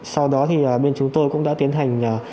sau đó thì bên chúng tôi cũng đã tiến hành